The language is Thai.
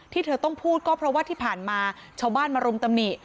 เธอต้องพูดก็เพราะว่าที่ผ่านมาชาวบ้านมารุมตำหนิ